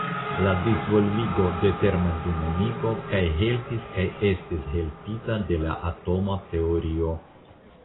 La disvolvigo de termodinamiko kaj helpis kaj estis helpita de la atoma teorio.